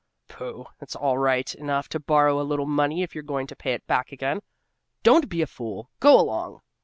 "Poh! it's all right enough to borrow a little money if you're going to pay it back again. Don't be a fool! Go along!"